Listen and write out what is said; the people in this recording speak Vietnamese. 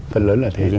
phần lớn là thế